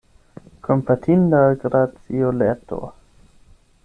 Kompatinda graciuleto!